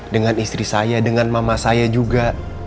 dengan istri saya dengan mama saya juga